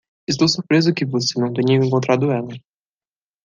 Estou surpreso que você não tenha encontrado ela.